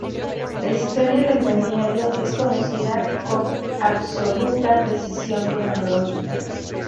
La historia del balneario es conocida con absoluta precisión cronológica.